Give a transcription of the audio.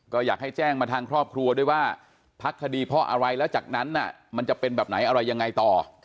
ก็อยากให้แจ้งมาทางครอบครัวด้วยว่าพักคดีเพราะอะไรแล้วจากนั้นมันจะเป็นแบบไหนอะไรยังไงต่อ